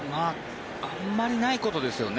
あまりないことですよね。